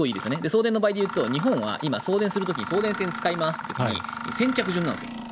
その場合で言うと日本は今送電する時に送電線を使う時に先着順なんです。